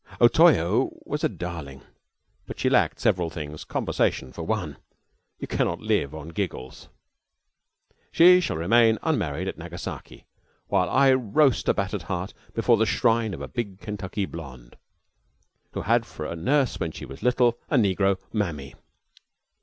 O Toyo was a darling, but she lacked several things conversation for one. You cannot live on giggles. She shall remain unmarried at Nagasaki, while I roast a battered heart before the shrine of a big Kentucky blonde, who had for a nurse when she was little a negro "mammy."